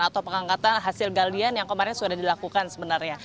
atau pengangkatan hasil galian yang kemarin sudah dilakukan sebenarnya